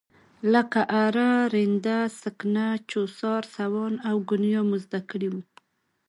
لکه اره، رنده، سکنه، چوسار، سوان او ګونیا مو زده کړي وو.